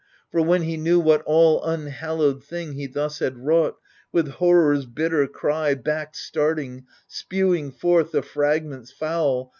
For when he knew what all unhallowed thing He thus had wrought, with horror's bitter cry Back starting, spewing forth the fragments foul.